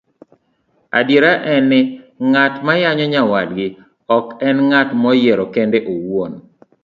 Adiera en ni, ng'at mayanyo nyawadgi ok enng'at moyiero kende owuon,